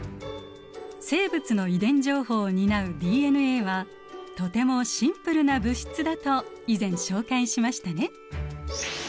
生物の遺伝情報を担うＤＮＡはとてもシンプルな物質だと以前紹介しましたね。